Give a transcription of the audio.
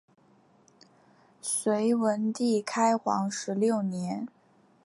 隋文帝开皇十六年。